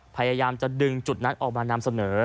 พยายามจะดึงจุดนั้นออกมานำเสนอ